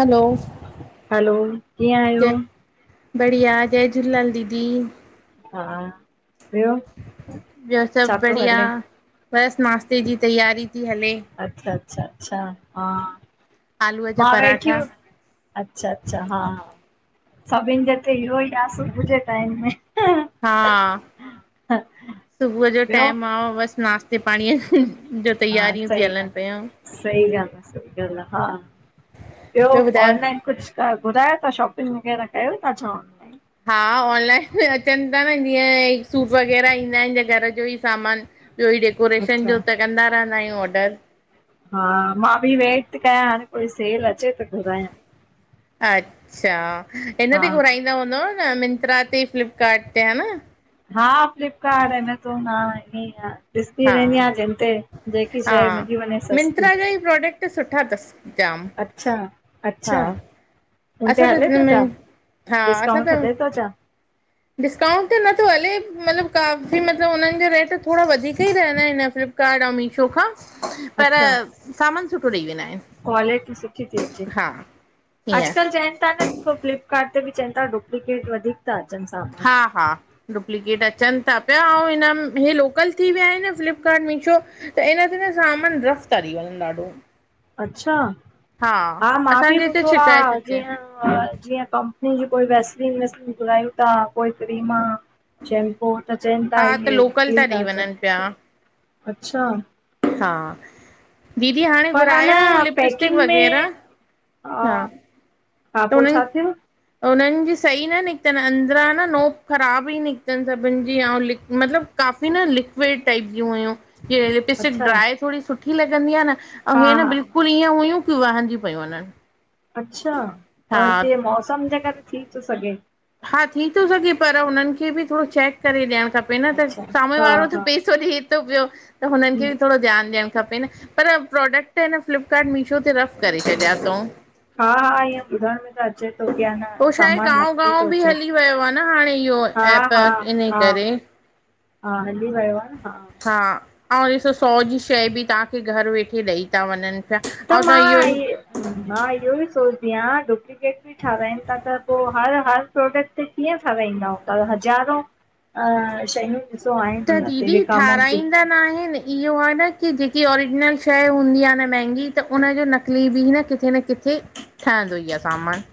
हलो! Hello, कीअं आहियो? जय बढ़िया, जय झूलेलाल दीदी। हा ॿियो, छा थो हले? बस नाश्ते जी तैयारी थी हले। अच्छा- अच्छा अच्छा, हा आलूअ जा मां वेठी पराठा हुय अच्छा -अच्छा, हा- हा, सचिन जे त इहो ही आह सुबुह जे टाइम में। हा सुबुह जो ॿियो टाइम आ बस नास्तो नाश्ते पाणीअ जो हा तयारियूं थी सही हलन ॻाल्हि पियूं। आ। सही ॻाल् आ, हा ॿियो, ॿियो ॿुधायो ऑनलाइन कुछ त गुरायो तां शॉपिंग वग़ैरह कयो था चव? हा, ऑनलाइन अचन था न जीअं सूप वग़ैरह ईंदा आहिन घर जो ही सामान। ॿियो ई डेकोरेशन अच्छा जो त कंदा रहंदा आहियूं ऑडर। हा, मां बि वेट थी कयां हाणे कोई सेल अचे त घुरायां। अच्छा, हिन ते हा घुराईंदा हूंदव न मिंत्रा ते, फ्लिपकार्ट ते, हेन। हा फ्लिपकार्ट, अमेज़ोन आ, इंय ही आ। ॾिसंदी रहंदी हा आहियां, जिते जेकी हा शय मिली वञे सस्ती। मिंत्रा जा ई प्रोडक्ट सुठा अथसि जाम अच्छा हा -अच्छा असां हुनते त हले थो मिं छा, हा असां डिस्काउंट त हले थो छा? डिस्काउंट ते नथो हले मतलब काफ़ी मतलब हुननि जो रेट थोड़ो वधीक ई रहंदा आहिन हिन फ्लिपकार्ट ऐं मीशो खां, पर अच्छा सामान सुठो ॾेई वेंदा आहिन। क्वालिटी सुठी थी अचे, ईअं अॼकल चयन था न सो फ्लिपकार्ट ते बि चवन था डुप्लकेट वधीक था अचन सां हा-हा! डुप्लकेट अचन था पिया ऐं हिनम हे लोकल थी विया आहिन न फ्लिपकार्ट, मीशो। त हिन ते न सामान रफ था थी वञनि ॾाढो। अच्छा, हा मां बि असांजे हिते ॿुधो शिकायत आहे, अचे जीअं जीअं कंपनी जी कोई वेस्लिन- वेसलिन घुरायूं था, कोई क्रीम शेम्पु त चअन था हा त इए लोकल था ठीक ॾेई आहे, वञनि पिया अच्छा। हा, दीदी हाणे पर अ न घुराया हुयउँ, लिपस्टिक पैकिंग वग़ैरह, में हा। हा पो छा थियो? उनन जी सही न निकतन, अंदरां ना नोब ख़राब ई निकतन सभिन जी, अऊं मतलब काफ़ी न लिक्विड टाइप ज्यूं हुयूं। हीअ लिपस्टिक अच्छा ड्राइ थोड़ी सुठी लॻंदी आ न, अऊं हा हे न हा बिल्कु हा -कुल ईअं हुयूं, कि वहंदयूं पयूं वञन। अच्छा, त ये मौसम जेकरे थी तो सघे। हा, थी तो सघे, पर हुनन खे बि थोड़ो चैक करे ॾयण खप उहोई न त अच्छा साम्हूं हा वारो हा त पेसो ॾिए तो प्यो, त हुनन खे हम्म बि थोड़ो ध्यान ॾियण खपे न। पर प्रोडक्ट, न फ्लिपकार्ट, मीशो ते रफ़ करे छॾया तऊं। हा हा, इअं ॿुधण में अचे तो, कि आन उहो छा आहे सामान गांव नकली तो गांव बि अचे, हली वियो आहे न हाणे इहो हा ऐप हा इन हा करे हा, हली वयो आ न, हा हा, अऊं ॾिसो सौ जी शै बि तहांखे, घर वेठे ॾई ता वञन। त मां इयो, मां इयोई सोचदी आं, डुप्लिकेट बि ठाराइन ता त पो हर, हर प्रोडक्ट ते कीअं ठाराईंदा हूंदा, हज़ारों शयूं ॾिसो, हांणे हुन ते विकामन त्यूं। नाहें नीं, इहो आ न, की जेकी ओरिजनल शइ हूंदी आ न महंगी, त उनजो नकली बि न किथे न कि किथे, ठहंदो ई आ सामान।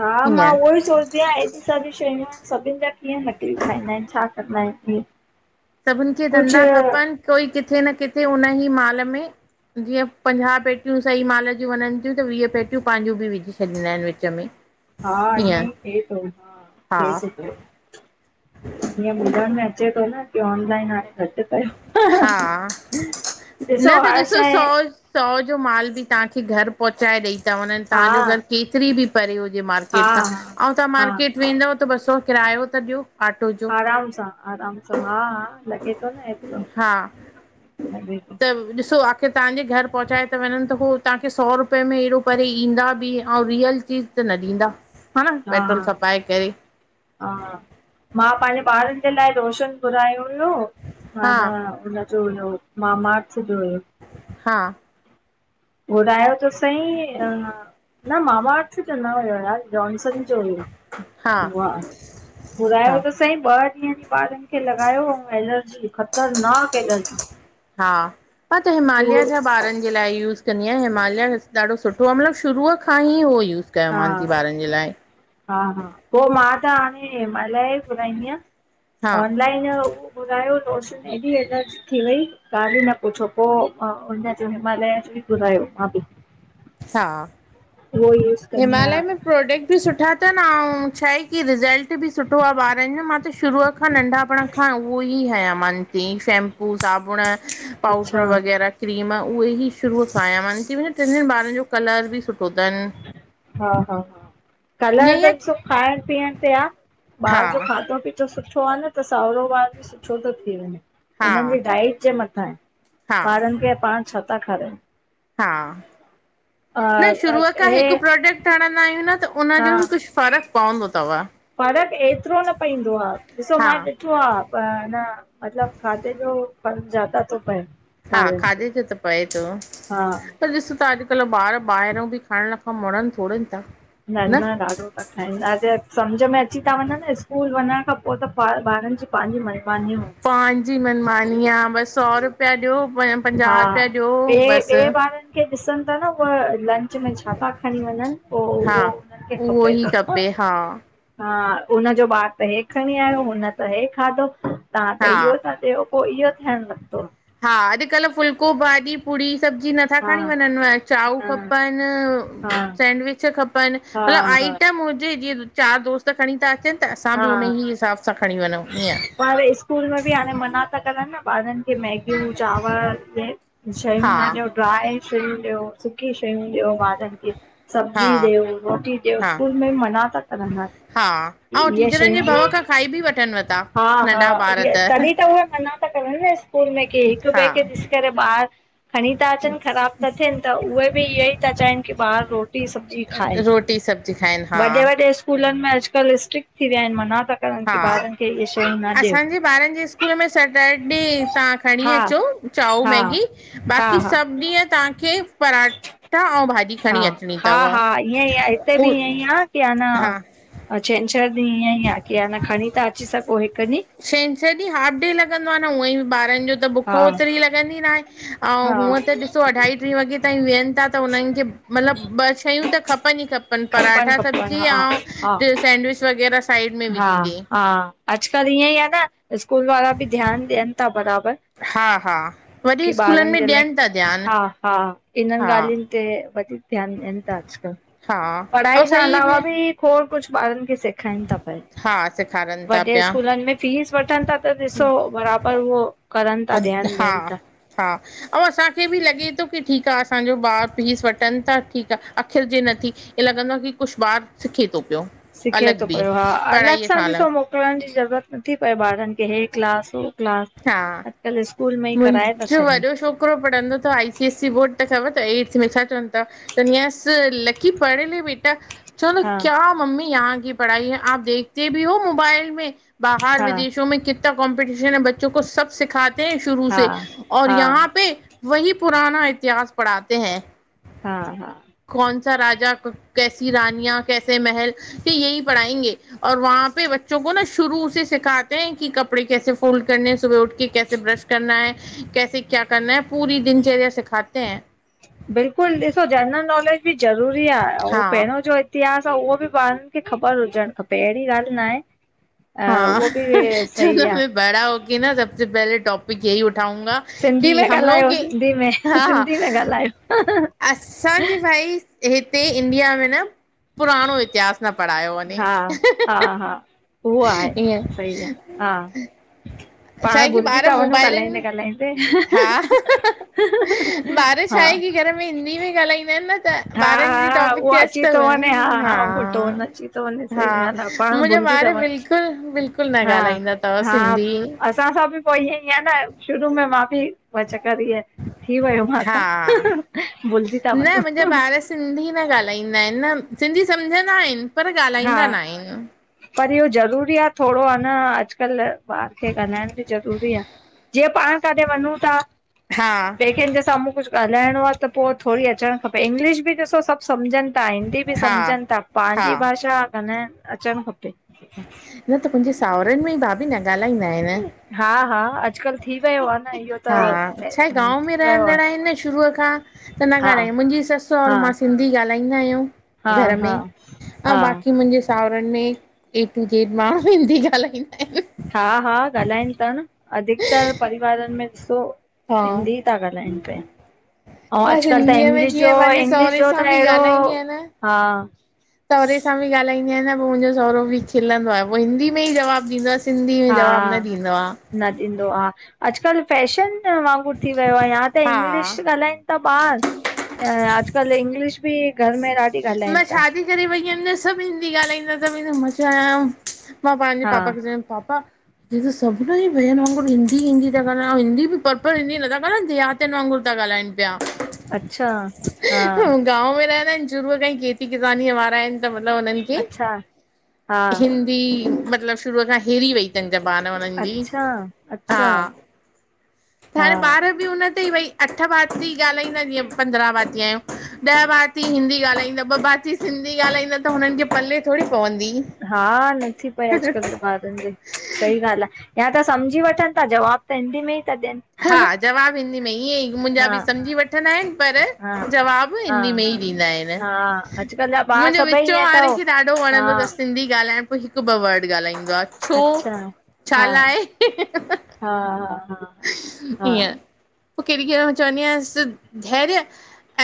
हा, मां ईअं उओई सोच ॿया एॾी सारी शयूं एन, सभिन जा कीअं नकली ठाईंदा एन, छा कंदा एन ईंअं सभिन खे धंधा खपन, कोई किथे न किथे उननजी माल में जीअं पंजाह पेट्यूं सही माल जूं वञन थियूं त, वीह पेट्यूं पांजूं बि विझी छॾींदा एन, विच में। हा, ईअं इयंईं थे तो, हा थे हा तो पयो। इअं ॿुधण में अचे तो न, की ऑनलाइन हाणे घट कयो। हा, न त हर ॾिसो शइ सौ सौ जो माल बि तहांखे घर पहुंचाए ॾई था वञन, हा तव्हांजो घर केतरी बि परे हुजे मार् हा मार्केट खां, हा अऊं तहां हा मार्केट वेंदव त ॿ सौ किरायो त ॾयो ऑटो जो। आराम सां आराम सां, हा हा लॻे थो न एतिरो हा, लॻे थो त ॾिसो आ त, तहांजे घर पहुंचाएता वञन, त हो तहांखे सौ रुपए में एॾो परे ईंदा बि अऊं रियल चीज़ त न ॾींदा, हा न पैट्रोल खपाए करे। हा, मां पांजे ॿारन जे लाइ लोशन घुरायो हुयो, हा माना उनजो हुयो मामाच जो हुयो। हा घुरायो त सईं, न मावाच जो न हुयो यार। जॕानसन जो हा हुयो। घुरायो हा त सईं, ॿ ॾींहं ई ॿारन खे लॻायो अऊं एलर्जी ख़तरनाक एलर्जी। हा, मां त हिमाल्या पोइ जा ॿारन जे लाइ यूस कंदीयां, हिमाल्या ॾाढो सुठो आ, मतलब शुरूअ खां ही उहो यूस कयो हा मान ती, ॿारन जे लाइ। हा हा, पो मां त हाणे हिमाल्या जो ई घुराईंदीयां। हा ऑन लाइन जो हू, घुरायो लोशन, एॾी एलर्जी थी वई, ॻाल्ह ई न पुछो, पो हुनजो हिमल्या जो ही घुरायो, मां बि। सा उहो यूस कंदी हिमालय में आहियां प्रोडक्ट बि सुठा तन, अऊं छाहे की रिज़ल्ट बि सुठो आ ॿारनि जो मां त शुरू खां नंढापण खां उहो ई हयां मान थी सेंम् पू, साबुण, अच्छा पाउडर वगैरा। क्रीम उहे ई शुरूअ खां हयां ती मान, तॾहिं टिनी ॿारनि जो कलर बि सुठो तनिव हा हा, कलर ईअं ई त आहे की ॾिसो खाइण पीअण ते आ, हा ॿार जो खाधो पीतो तो सुठो आ न, त सांवरो ॿार बि सुठो थो थी वञे, हा हुंननि जी डाइट जे मथां आहे। हा ॿारनि खे पाण छा था खारायो? हा, न शुरूअ खां हे हिकु प्रोडक्ट हणंदा आहियूं न त उन जो बि कुछ फ़र्क पवंदो तव। फ़र्क एतिरो न पइंदो आ, ॾिसो हा मां ॾिठो आ प न मतिलब खाधे जो फ़र्क ज्यादा तो पये। हा खाधे जो त पए तो। हा, पर ॾिस त अॼुकल्ह ॿार ॿाहिरों बि खाइण खां मुणनि थोड़ेइ ता। न न ॾाढो खाइंदा सें समझ में अची था वञनि स्कूल वञण खां पो त ॿ ॿारनि जी पाहिंजी मनमानीयूं पंहिंजी मनमानी आ, बसि सौ रुपिया ॾियो प हा पंजाहु रुपिया ॾियो ॿिए बसि। ॿिए ॿारनि खे ॾिसनि था न उहा लंच में छा था खणी वञनि पोइ हा उहो उहो खपे ई थो। खपे हा हा हुनजो ॿारु त हे खणी आयो, हुन त हे खाधो, तां त हा इहो था ॾियो। पोइ इहो थियण लॻदो। हा अॼुकल्ह फुल्को भाॼी पूड़ी सब्जी नथा हा खणी वञनव, चाऊ हा खपनि हा सेंंडविच खपनि, हा मतलबु हा आइटम हुजे जीअं चारि दोस्त त खणी था अचनि, त असां बि उन ई हिसाब सां खणी वञूं ईअं। ह स्कूल में बि हाणे मना था करनि न ॿारनि की मैगियूं, चांवर, शयूं हा न ॾियो ड्राय शयूं ॾियो। सुकी शइयूं ॾियो ॿारन खे। हा सब्जी ॾियो, रोटी ॾियो, हा स्कूल में मना ता कर हाणे। हा ऐं हिये टीचरनि जे भउ शइयूं खां खाई बि वठनव था। हा हा नंढा ॿार इअ तॾहिं त उहे मना त कर न स्कूल में की हिक हा ॿिए खे ॾिस ॿार खणी था, अचनि ख़राब था थियनि, त उहे बि इह ई था चाहिनि कि ॿार रोटी स ब्जी खारिज, रोटी सब्जी खाइनि हा वॾे वॾे स्कूल स्कूलनि में अॼुकल्ह स्ट्रिक्ट थी विया आहिनि, मना था करनि कि हा ॿारनि खे इहे शयूं ॾियो। असांजे ॿारनि जे स्कूल में सैटरडे तां खणी हा अचो चाओ हा मैगी। हा बाक़ी हा सभु ॾींहं तव्हांखे पराठा ऐं भाॼी हा, खणी अचणी हा अथव हा ईअं ई आहे हिते बि उ ईअ ई आहे कि आ न हा ऐं छंछरु ॾींहुं इअं ई आहे कि न खणी ता अची सघो हिकु ॾींहुं। छंछरु ॾींहुं हाफ डे लॻंदो आ न हूअं ई बि ॿारनि जो, त बुख हा ओतिरी लॻंदी नाहे। आऊं हा हूअं त ॾिसो अढाई टीं वॻे ताईं वेहनि था त हुनहनि खे मतलबु ॿ शयूं त खपनि ई खपनि। खन, पराठा खपनि सब्जी हा आऊं हा। सैंडविच वगैरह। हा हा अॼुकल्ह ईअं ई आ न स्कूल वारा बि ध्यानु ॾियनि था बराबरि। हा हा वरी कि स्कूलनि ॿारनि जे में लाइ, ॾियनि था ध्यानु हा हा। इन्हनि हा ॻाल्हियुनि ते वधीक ध्यानु ॾियनि था अॼुकल्ह, हा ऐं पढ़ाई खां सही अलावा बि खोड कुझु ॿारनि खे सिख हा सेखारनि था वॾे पिया स्कूलनि में फीस वठनि था त ॾिसो बराबरि उहो करनि था ध्यानु हा ॾियनि था। हा ऐं असांखे बि लॻे थो की ठीकु आ असांजो ॿार फीस वठनि था ठीकु आ अख़िरिजे नथी ईअ लॻंदो आ की कुझु ॿारु सिखे थो पियो सिखे अलॻि थो बि पयो हा अलॻि पढ़ाईअ सां खां ॾिसो मो मोकलण जी ज़रूरत नथी पए ॿारनि खे हे क्लास हो क्लास हा अॼकल्ह स्कूल में ई कराए था मुंहिंजो छॾनि वॾो छोकिरो पढ़ंदो तव आई सीएससी बोर्ड ख़बर तव एट्थ में छा चवनि तव चवन्दीआस लकी पढ़ ले बेटा चवदो हा क्या मम्मी यार की पढ़ाई हे आप देखते बि हो मोबाइल में बाहिर हा विदशो में किता कॉमपटीशन हे बच्चो को सभु सिखाते हे शुरू हा से और हा यहाँ पे वही पुराना इतिहास पढ़ाते हे हा हा कोनसा राजा कैसी रानीया कैसे महल यही पढ़ायेगे और वहा पे बच्चो को न शुरू से सिखाते हें की कपड़े कैसे फोल्ड करने हे सुबह उठ कर कैसे ब्रश करना हे कैसे क्या करना हे, पूरी दिनचर्या सिखाते हे। बिल्कुलु ॾिसो जनरल नॉलेज बि ज़रूरी आ उहो हाँ पहिरियों जो ईतीहास आ उहो बि ॿारनि खे ख़बर हुजणु खपे अहिड़ी ॻाल्हि न आहे हा, उहो बि सही चवंदो आ आहे मैं बड़ा होके न सबसे पहले टॉप पिक ये ही उठाउंगा सिंधी में की हमलोग के हा हा हंहंहं [inaudible] असांजी भाई हिते इंडिया में न पुराणो इतिहास न पढ़ायो वञे हा हा हा उहो आहे ईअं सही आहे हा छा पाण आहे की भुलजी ॿार था वञूं ॻाल्हाईंदे मोबाइलनि ॻाल्हाईंदे हा हंहंहं ॿार छा आहे की घर में हिंदी में ॻाल्हाईंदा आहिनि न त हा ॿारन जे हा टापिक उहो ते अच अची त थो वञे हा उहो टोन अची थो वञे हा सही ॻाल्हि आहे पाण मुहिंजा भुलिजी था ॿार वञूं। बिल्कुलु बिल्कुलु न हा ॻाल्हाईंदा तव हा सिंधी असां सां बि पोइ ईअं ई आहे न शुरू में मां बि थी वियो हा मासां भुलजी था न वञो। मुंहिंजा ॿार सिंधी न ॻाल्हाईंदा आहिनि न सिंधी सम्झंदा आहिनि पर ॻाल्हाईंदा न हा आहिनि। पर इहो ज़रूरी आ थोरो आ न अॼुकल्ह ॿार खे ॻाल्हाइण बि ज़रूरी आ जीअं पाण काथे वञू था हा बे कहिं जे साम्हूं कुझु ॻाल्हाइणो आ त पो थोरी अचणु खपे इंग्लिश बि ॾिसो सभु सम्झनि ता हिंदी बि हा सम्झनि ता हा पंहिंजी भाषा ॻाल्हायण अचणु खपे न त मुंहिंजे सावरनि में ई भाभी न ॻाल्हाईंदा आहिनि। हा हा अॼुकल्ह थी वियो आ न इहो त हा छा आहे गांव में थी वियो आ रहंदड़ आहिनि न शुरूअ खां त न हा ॻाल्हायूं मुंहिंजी ससु और हा हा मां सिंधी ॻाल्हाईंदा आहियूं घर में हा ऐं हा बाक़ी मुंहिंजे सावरनि में ए टू जेड माण्हू हिंदी ॻाल्हाईंदा आहिनि। हा हा ॻाल्हाइनि था न अधिकतर परिवारनि में ॾिसो हा हिंदी था ॻाल्हाइनि पिया। हा मां अॼुकल्ह त सिंधीअ में इंग्लिश जीअं जो पंहिंजे इंग्लिश सहुरे जो त सां बि अहिड़ो ॻाल्हाईंदी आहियां न हा। सहुरे सां बि ॻाल्हाईंदी आहियां न पोइ मुंहिंजो सहुरो बि खिलंदो आहे पोइ हिंदी में ई जवाब ॾींदों आ। सिंधी में हा जवाब न ॾींदो आ। न ॾींदो आ। अॼुकल्ह फैशन वांगुरु थी वियो आहे या त हा इंग्लिश ॻाल्हाइन ॿार अॼुकल्ह इंगलिश बि घर में। ॾाढी ॻाल्हाइनि मां था शादी करे वेई हुयंदस सभ हिंदी ॻाल्हाईंदा सभ हेॾो मज़ा आयम मां पहिंजे हा पापा खे चयुम पापा जीअं त सभिनी जी भयन वांगुरु हिंदी- हिंदी था ॻाल्हानि ऐं हिंदी बि पर्फेक्ट हिंदी नथा ॻाल्हानि दया कतनि वांगुरु था ॻ्हाइनि पिया। अच्छा हा। गांव में रहंदा आहिन शुरूअ खां ई खेती किसानीअ वारा आहिन त मतिलब हुननि अच्छा हा हिंदी मतलब शुरूअ खां हिरी वई। चन जबान हुननि जी अच्छा हा। अच्छा त हा हाणे ॿार बि हुन ते ई भई अठ भाती ॻाल्हाईंदा जीअं पंद्रहं भाती आहियूं। ॾह भाती हिंदी ॻाल्हाईंदा ॿ भाती सिंधी ॻाल्हाईंदा त हुननि खे पले थोॾी पवंदी। हा न थी पई अॼकल्ह त ॿार सही ॻाल्हि आहे या त सम्झी वठनि था जवाब त हिंदी में ई था ॾियन। हा जवाब हिन्दी में ईअं ई मुंहिंजा बि सम्झी वठ वठंदा आहिन हा पर जवाब हिंदी में हा ई ॾींदा आहिन। हा अॼुकल्ह जा ॿार मुंहिंजे सभई विचो ईअं वारे अथव खे ॾाढो हा वणंदो अथस सिंधी ॻाल्हाइण। पोइ हिक ॿ वर्ड ॻाल्हाईंदो आहे छो अच्छा छा हा लाइ। हा- हा- हा। इअं पोइ कहिॾी -कहिॾी मेल चवंदी आहियांस् धैर्य।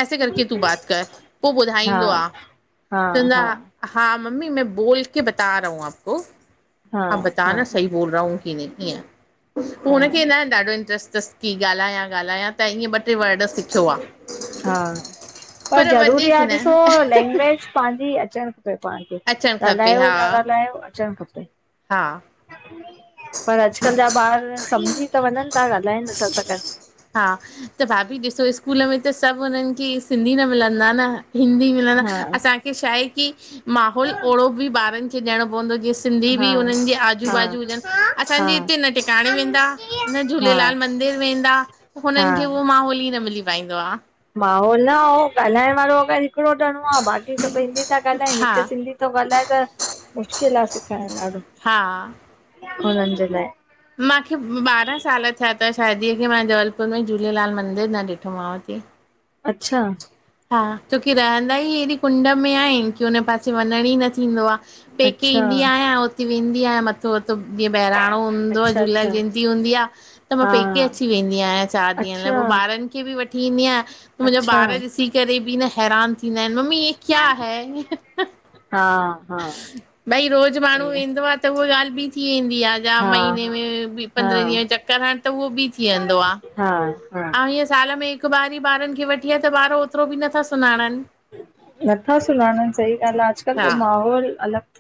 ऐसे करके तूं बात कर पोइ हा ॿुधाईंदो आ। हा हा चवंदो हा आ। हा, मम्मी मैं बोलके बता रहा हूं आपको हा आप बताना सही। बोल रहा हूं कि नहीं हीय पोख हा हुन खे न ॾा ॾाढो इंट्र्स्ट अथस की ॻाल्हायां- ॻाल्हायां त ईअं ॿ टे वर्ड सिखियो आ। हा। पर ज़रूरी वधीक आ न ॾिसो लैंग्वेज पंहिंजी अचण। पाण खे, अचणु खपे ॻाल्हायो हा न ॻाल्हायो अचणु खपे। हा। पर अॼकल्ह जा ॿार समझी त वञनि था, ॻाल्हाए नथा सघन। हा, त भाभी ॾिसो स्कूल में त सभ हुननि खे सिंधी न मिलंदा न? हिंदी मिलण, हा असांखे छाहे की माहौल अहिड़ो बि ॿारनि खे ॾियणो पवंदो, जिएं सिंधी हा बि हुननि जे आजू हा बाजू हुजन। हा असांजे हिते न टिकाणे वेंदा न हा झूलेलाल जे मंदिर वेंदा, हुननि खे हा उहो माहौल ई न मिली पाईंदो आहे। माहौल न, ऐं ॻाल्हाइण वारो अगर हिकिड़ो ॼणो आहे बाक़ी सभ हिंदी था ॻाल्हाइनि हा हिक सिंधी थो ॻाल्हाए त मुश्किल आ सेखारण ॾाढो। हा। उनहनि जे लाइ। मांखे ॿा ॿारहां साल थिया अथव शादीअ खे, मां जबलपुर में झूलेलाल मंदिर न ॾिठोमांव थी। अच्छा। हा, छोकी रहंदा ई अहिड़ी कुंड में आहिन की उन पासे वञण ई न थींदो आ। पेके अच्छा ईंदी आहियां, हुते वेंदी आहियां, मथो त जीअं बहिराणो हूंदो आ, अच्छा झूलेलाल अच्छा जयंती हूंदी आ। त मां हा पेके अची वेंदी आहियां चार ॾींहंनि लाइ, अच्छा पोइ ॿारनि खे बि वठी। ईंदी आहियां। मुंहिंजा अच्छा ॿार ॾिसी करे बि न हैरान थींदा आहिनि, मम्मी ये क्या है? हं हं हा हा हं भई रोज माण्हू वेंदो आ त उहे ॻाल् बि थी वेंदी आहे या हा महीने हा में हा पंद्रहें ॾींहं चक्कर हण त उहो बि थी वेंदो आ हा -हा हीय साल में हिकु बार ई ॿारनि खे वठी आ त ॿार ओतिरो बि नथा सुञाणनि। नथा सुञाणन, सही ॻाल्हि आ, अॼकल्ह जो हा माहौल अलॻि